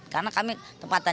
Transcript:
karena kami tempatan